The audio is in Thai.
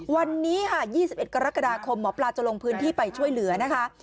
วันนี้ค่ะ๒๑กรกฎาคมหมอปลาจะลงพื้นที่ไปช่วยเหลือนะคะ